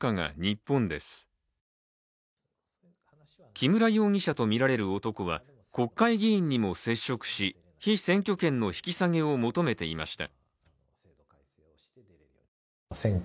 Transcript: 木村容疑者とみられる男は国会議員にも接触し被選挙権の引き下げを求めていました。